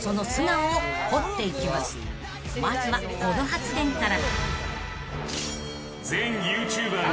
［まずはこの発言から］